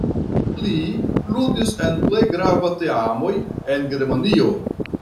Li ludis en plej grava teamoj en Germanio.